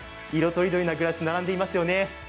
色とりどりなガラスが並んでいますよね。